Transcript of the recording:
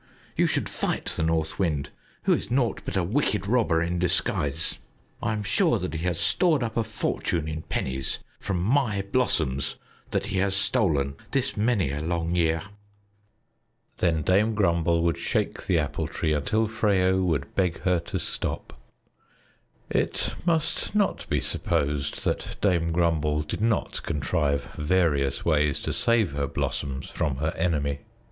You should fight the North Wind, who is naught but a wicked robber in disguise. I am sure that he has stored up a fortune in pennies from my blossoms that he has stolen this many a long year." Then Dame Grumble would shake the Apple Tree until Freyo would beg her to stop. It must not be supposed that Dame Grumble did not contrive various ways to save her blossoms from her enemy.